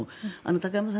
高山さん